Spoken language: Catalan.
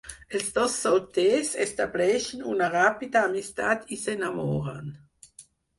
Els dos solters estableixen una ràpida amistat i s'enamoren.